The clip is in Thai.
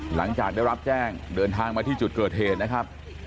หลังจากได้รับแจ้งเดินทางมาที่จุดเกิดเหตุนะครับ